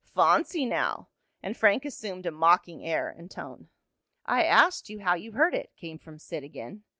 Fawncy now!" and Frank assumed a mocking air and tone. "I asked you how you heard it," came from Sid again.